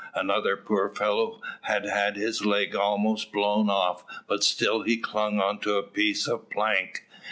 Another poor fellow had had his leg almost blown off, but still he clung on to a piece of plank.